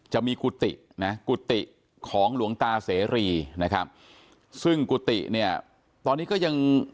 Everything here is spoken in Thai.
กุฏินะกุฏิของหลวงตาเสรีนะครับซึ่งกุฏิเนี่ยตอนนี้ก็ยัง